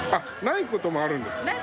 ない事もあるんですね。